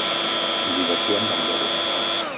Diversió amb banderes.